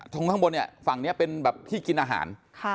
ข้างบนเนี่ยฝั่งนี้เป็นแบบที่กินอาหาร